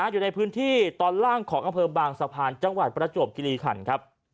อยู่ในพื้นที่ตอนล่างของอำเภอบางสะพานจังหวัดประจวบคิริขันครับ